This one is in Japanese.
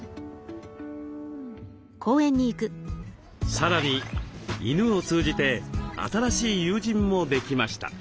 さらに犬を通じて新しい友人もできました。